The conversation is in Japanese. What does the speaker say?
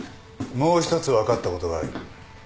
もう一つ分かったことがある。